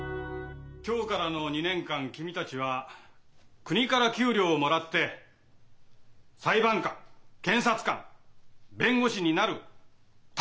今日からの２年間君たちは国から給料をもらって裁判官検察官弁護士になる鍛錬をするんだ。